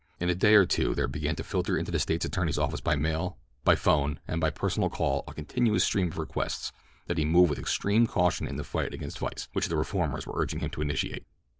In a day or two there began to filter into the State attorney's office by mail, by phone, and by personal call a continuous stream of requests that he move with extreme caution in the fight against vice which the reformers were urging him to initiate.